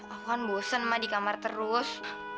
aku kan bosen mah di kamar terus